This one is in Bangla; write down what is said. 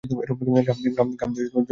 ঘাম দিয়ে জ্বর এসে গিয়েছিল।